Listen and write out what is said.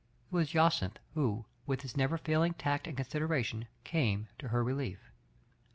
It was Jacyntb who, with his never failing tact itnd co^j^^i^bn, came to her relief.